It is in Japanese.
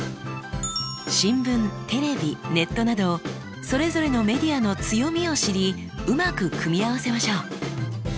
新聞テレビネットなどそれぞれのメディアの強みを知りうまく組み合わせましょう。